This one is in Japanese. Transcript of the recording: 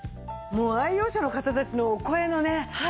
もう愛用者の方たちのお声のね